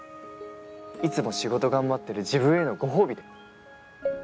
いつも仕事頑張ってる自分へのご褒美で。